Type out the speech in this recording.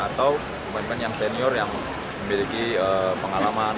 atau pemain pemain yang senior yang memiliki pengalaman